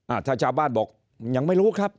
ถ้าชาวบ้านบอกยังไม่รู้ครับ